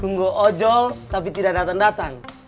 nunggu ojol tapi tidak dateng dateng